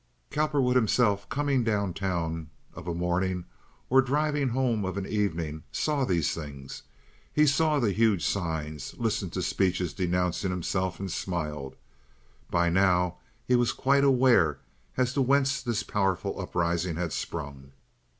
Cowperwood himself, coming down town of a morning or driving home of an evening, saw these things. He saw the huge signs, listened to speeches denouncing himself, and smiled. By now he was quite aware as to whence this powerful uprising had sprung.